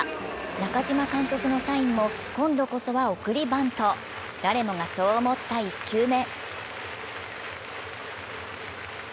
中嶋監督のサインも今度こそは送りバント、誰もがそう思った１球目。